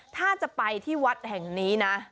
ถ้าจะไปที่วัดแห่งนี้นะ